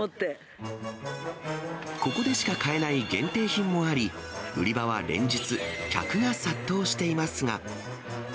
ここでしか買えない限定品もあり、売り場は連日、客が殺到していますが。